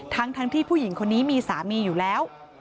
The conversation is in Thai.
ทั้งที่ผู้หญิงคนนี้มีสามีอยู่แล้ว